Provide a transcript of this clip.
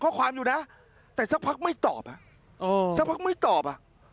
ข้อความอยู่นะแต่สักพักไม่ตอบอ่ะสักพักไม่ตอบอ่ะ